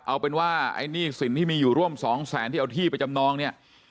เอาเป็นว่าไอ้หนี้สินที่มีอยู่ร่วมสองแสนที่เอาที่ไปจำนองเนี่ย